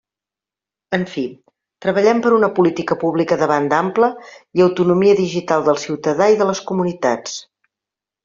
En fi, treballem per una política pública de banda ampla i autonomia digital del ciutadà i de les comunitats.